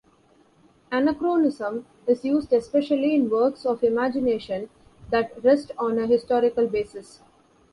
Anachronism is used especially in works of imagination that rest on a historical basis.